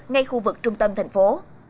ngay khu vực trung tâm thành phố